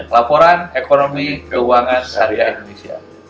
laporan ekonomi keuangan syariah indonesia